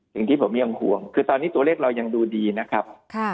สิ่งที่ผมยังห่วงคือตอนนี้ตัวเลขเรายังดูดีนะครับ